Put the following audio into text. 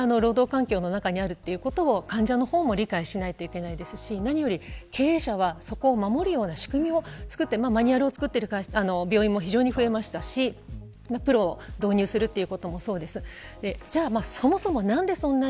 そういう過酷な労働環境の中にある、ということを患者の方も理解しないといけないですし何より経営者はそこを守るような仕組みを作ってマニュアルを作っている会社も非常に増えましたしプロを導入するということもそうです。